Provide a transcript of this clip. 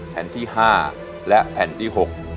แผ่นที่๕และแผ่นที่๖